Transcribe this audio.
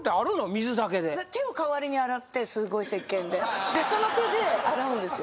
水だけで手を代わりに洗ってすごい石鹸でその手で洗うんですよ